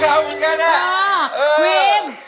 เรามานั่ง